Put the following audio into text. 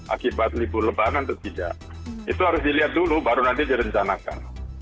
akibat libur lebaran atau tidak itu harus dilihat dulu baru nanti direncanakan